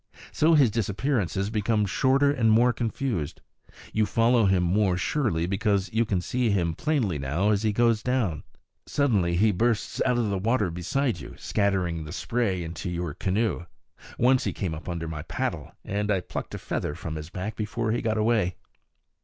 So his disappearances become shorter and more confused; you follow him more surely because you can see him plainly now as he goes down. Suddenly he bursts out of water beside you, scattering the spray into your canoe. Once he came up under my paddle, and I plucked a feather from his back before he got away.